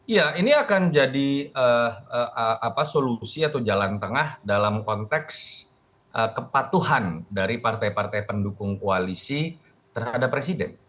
ya ini akan jadi solusi atau jalan tengah dalam konteks kepatuhan dari partai partai pendukung koalisi terhadap presiden